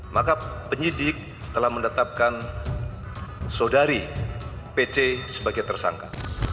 maka penyidik telah menetapkan saudari pc sebagai tersangka